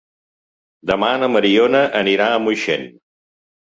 Demà na Mariona anirà a Moixent.